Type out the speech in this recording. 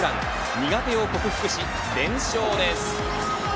苦手を克服し連勝です。